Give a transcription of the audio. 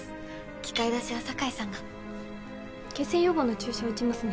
器械出しは酒井さんが血栓予防の注射を打ちますね